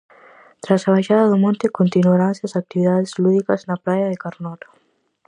Tras a baixada do monte, continuaranse as actividades lúdicas na praia de Carnota.